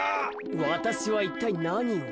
わたしはいったいなにを？